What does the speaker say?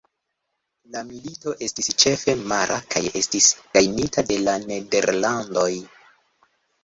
La milito estis ĉefe mara kaj estis gajnita de la Nederlandoj.